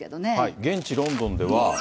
現地ロンドンでは。